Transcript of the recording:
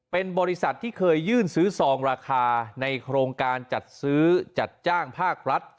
เป็นบริษัทที่เคยยื่นซื้อซองราคาในโครงการจัดซื้อจัดจ้างภาครัฐ